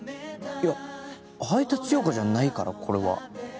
いや配達評価じゃないからこれは。